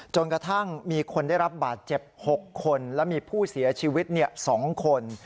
จนกระทั่งมีคนได้รับบาดเจ็บ๖คนและมีผู้เสียชีวิต๒คน